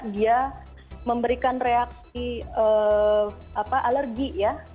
dia memberikan reaksi alergi ya